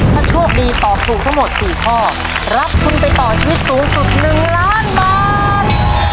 ถ้าโชคดีตอบถูกทั้งหมด๔ข้อรับทุนไปต่อชีวิตสูงสุด๑ล้านบาท